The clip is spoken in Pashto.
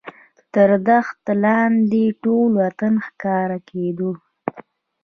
تر دښت لاندې ټول وطن ښکاره کېدو.